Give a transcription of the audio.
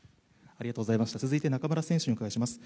続いて中村選手にお伺いします。